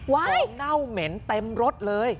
เน่าเหม็นเต็มรถเลย